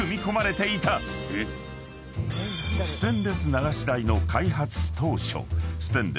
［ステンレス流し台の開発当初］